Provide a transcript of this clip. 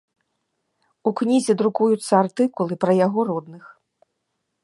У кнізе друкуюцца артыкулы пра яго родных.